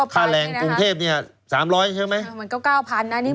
ค่าแรงกรุงเทพเนี่ย๓๐๐ใช่ไหม